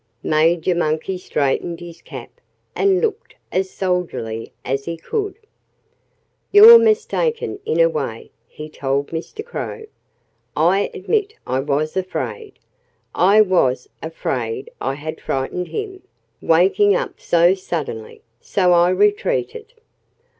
Major Monkey straightened his cap and looked as soldierly as he could. "You're mistaken, in a way," he told Mr. Crow. "I admit I was afraid. I was afraid I had frightened him, waking him up so suddenly. So I retreated."